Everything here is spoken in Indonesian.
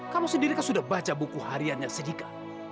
kamu sendiri kan sudah baca buku hariannya sedika